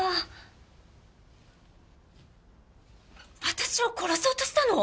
私を殺そうとしたの？